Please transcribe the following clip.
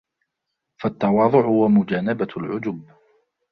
فَالتَّوَاضُعُ وَمُجَانَبَةُ الْعُجْبِ